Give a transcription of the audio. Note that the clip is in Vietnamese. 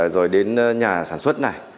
rồi đến nhà sản xuất này